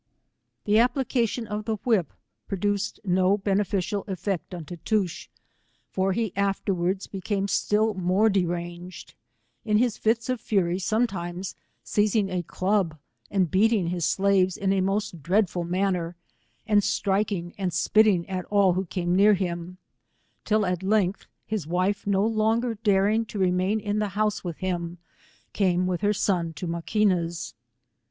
The application of the whip produced no bene ficial effect on Tootoosch, for he afterwards be came still more deranged; in his fits of fury some times seizing a club, and beating his slaves in a most dreadful manner, and striking and spitting 133 at all who came near him, till at length hia wii'e> no longer daring to remain in the house with him, came with her son to Maquina's.